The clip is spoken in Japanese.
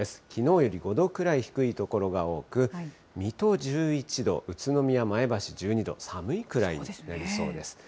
きのうより５度くらい低い所が多く、水戸１１度、宇都宮、前橋１２度、寒いくらいになりそうです。